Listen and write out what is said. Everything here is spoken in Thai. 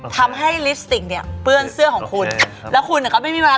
ทำให้ลิปสติกเนี่ยเปื้อนเสื้อของคุณแล้วคุณอ่ะก็ไม่มีเวลา